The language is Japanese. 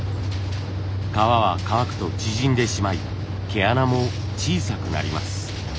革は乾くと縮んでしまい毛穴も小さくなります。